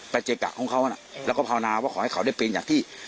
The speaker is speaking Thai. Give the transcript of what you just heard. เจกะของเขานะแล้วก็ภาวนาว่าขอให้เขาได้เป็นอย่างที่